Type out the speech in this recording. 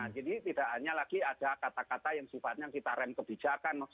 jadi tidak hanya lagi ada kata kata yang sifatnya kita rem kebijakan